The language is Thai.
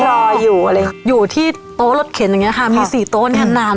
รออยู่อะไรอยู่ที่โต๊ะรถเข็นอย่างเงี้ค่ะมีสี่โต๊ะเนี่ยนาน